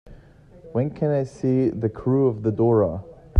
When can I see The Crew of the Dora